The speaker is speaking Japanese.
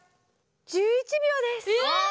１１秒です。